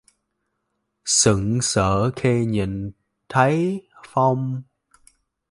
Sững sờ khi nhìn thấy Phong